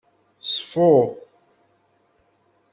Ṣfu.